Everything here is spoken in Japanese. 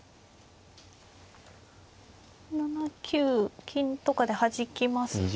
７九金とかではじきますと。